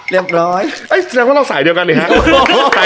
เรียบร้อย